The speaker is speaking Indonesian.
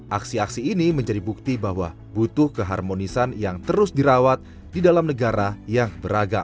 aksi aksi ini menjadi bukti bahwa butuh keharmonisan yang terus dirawat di dalam negara yang beragam